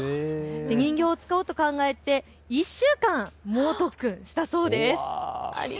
人形を使おうと考えて１週間、猛特訓したそうです。